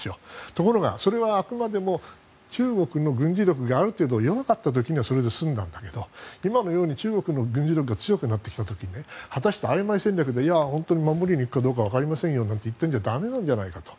ところが、それはあくまでも中国の軍事力がある程度弱かった時はそれで済んだんだけど今のように中国の軍事力が強くなってきた時に果たして曖昧戦略で本当に守りにいくか分かりませんよというんじゃだめなんじゃないかと。